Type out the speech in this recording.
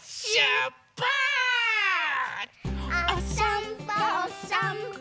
おさんぽおさんぽ。